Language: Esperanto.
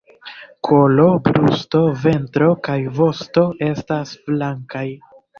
Kolo, brusto, ventro kaj vosto estas blankaj.